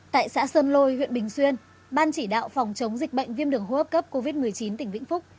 tại xã sơn lôi huyện bình xuyên ban chỉ đạo phòng chống dịch bệnh viêm đường hô hấp cấp covid một mươi chín tỉnh vĩnh phúc